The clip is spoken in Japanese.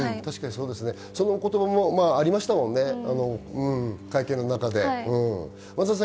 その言葉もありましたもんね、会見の中で。